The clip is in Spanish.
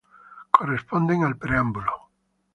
Corresponden al preámbulo.